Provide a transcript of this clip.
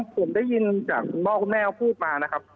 แต่ผมได้ยินจากคุณบ้าน้องพุกว่าน่ะครับ